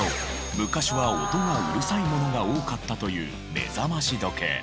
昔は音がうるさいものが多かったという目覚まし時計。